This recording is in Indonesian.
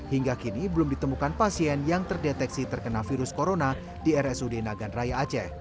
hingga kini belum ditemukan pasien yang terdeteksi terkena virus corona di rsud nagan raya aceh